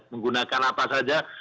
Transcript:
menggunakan apa saja